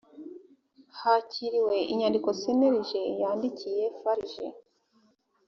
hakiriwe inyandiko cnlg yandikiye farg